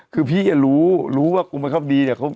คือพี่อย่ารู้ว่ากุมมันเข้าไปดี